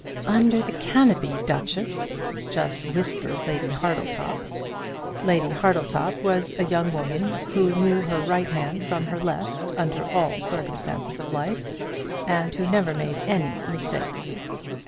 "Under the canopy, duchess," just whispered Lady Hartletop. Lady Hartletop was a young woman who knew her right hand from her left under all circumstances of life, and who never made any mistakes.